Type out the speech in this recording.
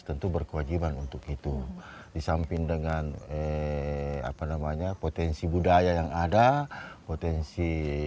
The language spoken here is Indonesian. tentu berkewajiban untuk itu di samping dengan potensi budaya yang ada potensi